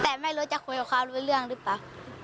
แต่ไม่รู้จะคุยกับเขารู้เรื่องหรือเปล่า